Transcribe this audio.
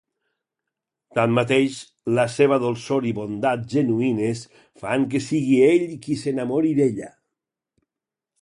Tanmateix, la seva dolçor i bondat genuïnes fan que sigui ell qui s'enamori d'ella.